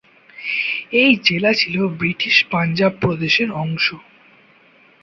এই জেলা ছিল ব্রিটিশ পাঞ্জাব প্রদেশের অংশ।